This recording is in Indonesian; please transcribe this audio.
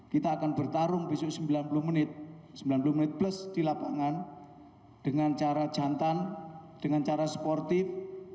kita akan bertarung besok sembilan puluh menit sembilan puluh menit plus di lapangan dengan cara jantan dengan cara sportif